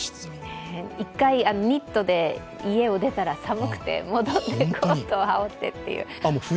一回、ニットで家を出たら寒くて戻ってコートを羽織ってっていう。